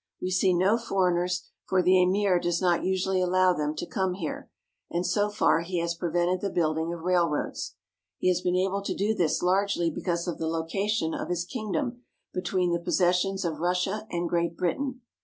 We see no foreigners, for the Amir does not usually allow them to come here, and so far he has prevented the building of railroads. He has been able to do this largely because of the location of his kingdom between the possessions of Russia and Great Britain.